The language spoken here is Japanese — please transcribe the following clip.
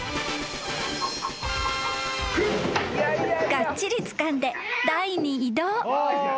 ［がっちりつかんで台に移動］